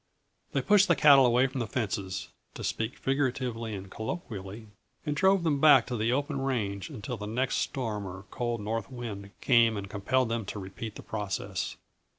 They pushed the cattle away from the fences to speak figuratively and colloquially and drove them back to the open range until the next storm or cold north wind came and compelled them to repeat the process.